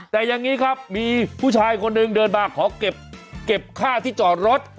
แต่อย่างนี้ครับมีผู้ชายคนหนึ่งเดินมาขอเก็บค่าที่จอดรถ